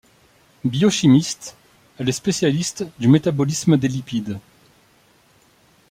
Biochimiste, elle est spécialiste du métabolisme des lipides.